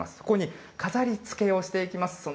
ここに飾りつけをしていきます。